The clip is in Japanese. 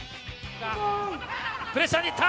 プレッシャーに行った！